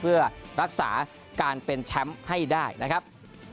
เพื่อรักษาการเป็นแชมป์ให้ได้นะครับ